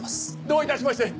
どういたしまして。